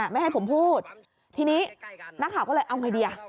ไม่ให้ผมพูดทีนี้นักข่าวก็เลยเอาไงดีอ่ะ